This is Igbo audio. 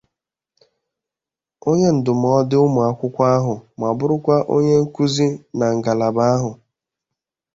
onye ndụmọdụ ụmụakwụkwọ ahụ ma bụrụkwa onye nkụzi na ngalaba ahụ